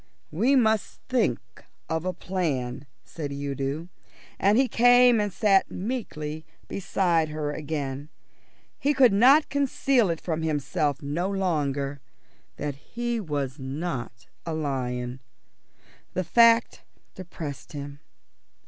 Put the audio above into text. "We must think of a plan," said Udo, and he came and sat meekly beside her again. He could conceal it from himself no longer that he was not a lion. The fact depressed him.